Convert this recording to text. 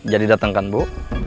jadi dateng kan bu